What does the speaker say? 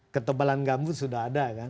ketebalan gambut sudah ada kan